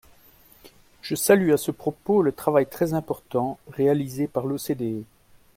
Je salue à ce propos le travail très important réalisé par l’OCDE.